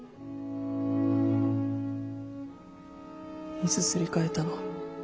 いつすり替えたの？